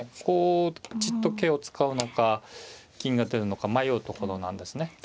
こうじっと桂を使うのか銀が出るのか迷うところなんですね。